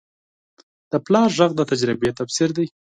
د پلار غږ د تجربې تفسیر دی